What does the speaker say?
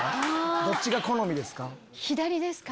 どっちが好みですか？